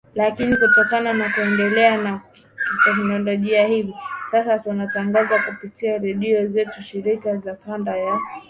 lakini kutokana na kuendelea kwa teknolojia hivi sasa tunatangaza kupitia redio zetu shirika za kanda ya Afrika Mashariki na Kati